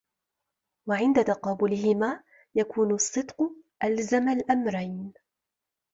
وَعِنْدَ تَقَابُلِهِمَا يَكُونُ الصِّدْقُ أَلْزَمَ الْأَمْرَيْنِ